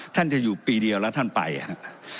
ท่านจะอยู่ปีเดียวแล้วท่านไปครับ